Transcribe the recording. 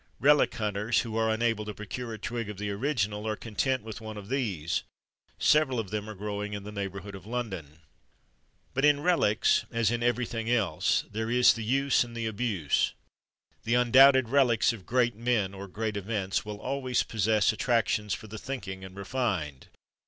Relic hunters, who are unable to procure a twig of the original, are content with one from these. Several of them are growing in the neighbourhood of London. But in relics, as in every thing else, there is the use and the abuse. The undoubted relics of great men, or great events, will always possess attractions for the thinking and refined.